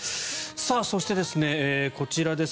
そして、こちらです。